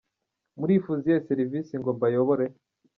Murifuza iyihe serivisi ngo mbayobore?